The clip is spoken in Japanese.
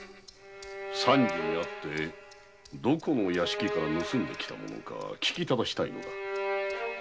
三次に会ってどこの屋敷から盗んで来たものか聞きただしたいのだ。